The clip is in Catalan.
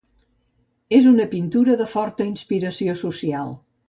És una pintura de forta inspiració social.